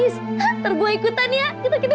saya masih masih